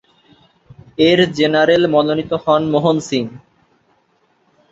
এর জেনারেল মনোনীত হন মোহন সিং।